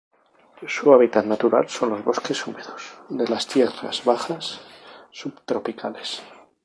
Su hábitat natural son los bosques húmedos de las tierras bajas subtropicales.